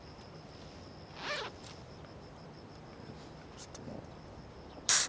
ちょっともう。